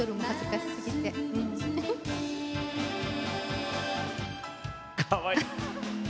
かわいい！